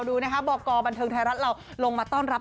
ดูนะคะบอกกบันเทิงไทยรัฐเราลงมาต้อนรับ